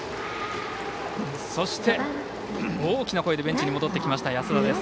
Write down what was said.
そして大きな声でベンチに戻ってきた安田です。